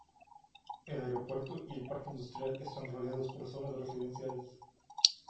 El aeropuerto y el parque industrial están rodeados por zonas residenciales.